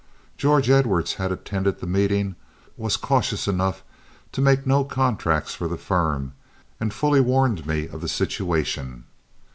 George Edwards had attended the meeting, was cautious enough to make no contracts for the firm, and fully warned me of the situation.